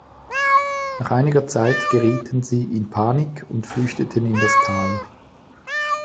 Nach einiger Zeit gerieten sie in Panik und flüchteten in das Tal.